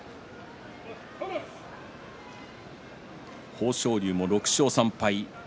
豊昇龍も６勝３敗。